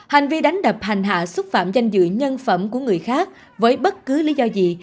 hành vi đánh đập hành hạ xúc phạm danh dự nhân phẩm của người khác với bất cứ lý do gì